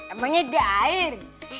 emangnya ada air